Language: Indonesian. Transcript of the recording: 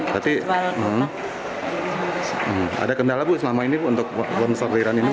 jadi ada kendala selama ini untuk pembelian logistik